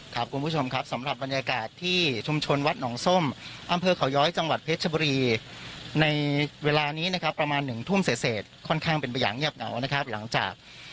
คุณผู้ชมครับสำหรับบรรยากาศที่ชุมชนวัดหนองส้มอำเภอเขาย้อยจังหวัดเพชรชบุรีในเวลานี้นะครับประมาณหนึ่งทุ่มเศษค่อนข้างเป็นไปอย่างเงียบเหงานะครับหลังจาก